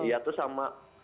iya itu sama